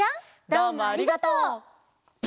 どうもありがとう！